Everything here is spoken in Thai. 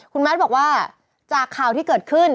คุณแมทบอกว่าจากข่าวที่เกิดขึ้น